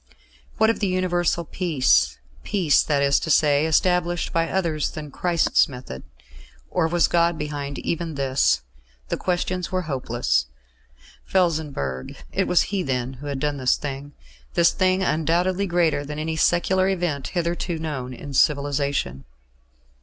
What of universal peace peace, that is to say, established by others than Christ's method? Or was God behind even this? The questions were hopeless. Felsenburgh it was he then who had done this thing this thing undoubtedly greater than any secular event hitherto known in civilisation.